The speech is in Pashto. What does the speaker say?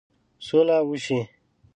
سوله وشي.